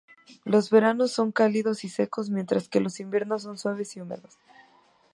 Los veranos son cálidos y secos, mientras que los inviernos son suaves y húmedos.